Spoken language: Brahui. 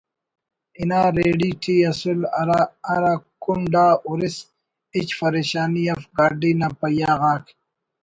انا ریڑی ٹی اسُل ہرا کنڈ آ ہُرس ہچ فریشانی اف گاڈی نا پہیہ غاک